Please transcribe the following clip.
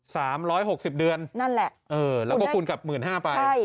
สามร้อยหกสิบเดือนนั่นแหละเออแล้วก็คูณกลับหมื่นห้าไปใช่